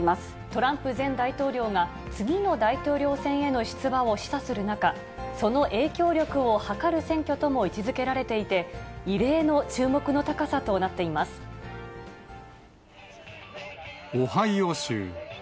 トランプ前大統領が、次の大統領選への出馬を示唆する中、その影響力をはかる選挙とも位置づけられていて、異例の注目の高オハイオ州。